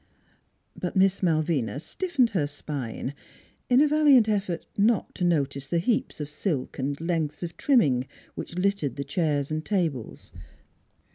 But Miss Malvina stiffened her spine, in a valiant effort not to notice the heaps of silk and lengths of trimming which littered the chairs and tables.